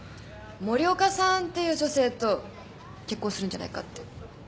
森岡さんっていう女性と結婚するんじゃないかって。